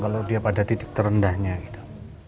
kalau dia pada titik terendahnya gitu